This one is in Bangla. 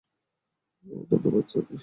ওহ, ধন্যবাদ, জ্যানি।